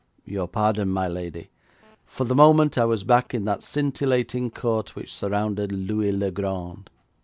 'Your pardon, my lady. For the moment I was back in that scintillating Court which surrounded Louis le Grand.'